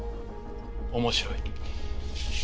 面白い。